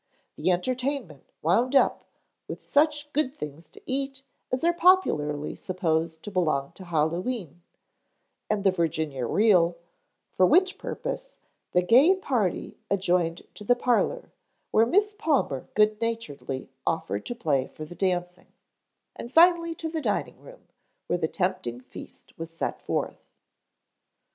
The entertainment wound up with such good things to eat as are popularly supposed to belong to Hallowe'en, and the Virginia reel, for which purpose the gay party adjourned to the parlor where Miss Palmer good naturedly offered to play for the dancing, and finally to the dining room, where the tempting feast was set forth.